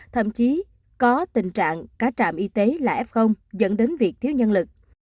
thậm chí có tình trạng cả trạm y tế là f dẫn đến việc thiếu nhân lực